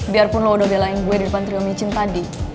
biarpun lo udah belain gue di depan trio michain tadi